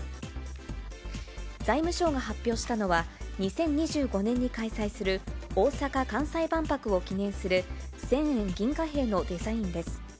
財務省が発表したのは、２０２５年に開催する大阪・関西万博を記念する千円銀貨幣のデザインです。